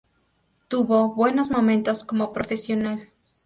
Tuvo buenos momentos como profesional.